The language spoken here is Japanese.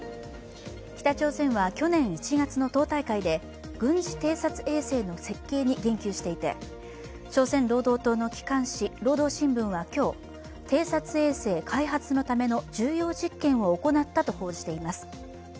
北朝鮮は去年１月の党大会で軍事偵察衛星の設計に言及していて朝鮮労働党の機関紙「労働新聞」は今日偵察衛星開発のための重要実験を行ったと報じています。